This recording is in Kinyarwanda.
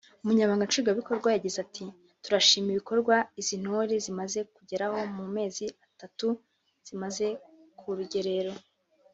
Umunyamabanga Nshingwabikorwa yagize ati "Turashima ibikorwa izi ntore zimaze kugeraho mu mezi atatu zimaze ku Rugerero